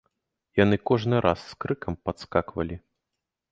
Яны кожны раз з крыкам падскаквалі.